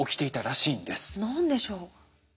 何でしょう？